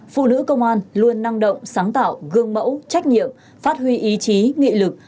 phụ nữ công an luôn năng động sáng tạo gương mẫu trách nhiệm phát huy ý chí nghị lực